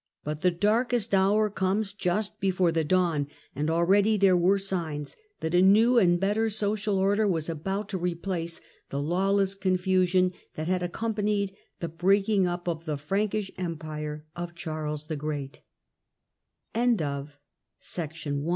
But the darkest hour comes just before the dawn, and already there were signs that a new and better social order was about to replace the lawless confusion that had accom panied the breaking up of the Prankish Empire of Charles th